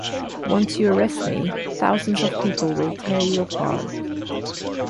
Once you arrest me, thousands of people will tear you apart.